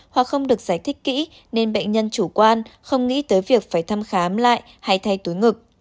hoặc không được giải thích kỹ nên bệnh nhân chủ quan không nghĩ tới việc phải thăm khám lại hay thay túi ngực